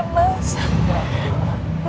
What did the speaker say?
aku nggak bisa jaga anak kita dengan baik